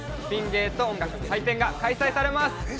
ピン芸と音楽の祭典」が開催されます。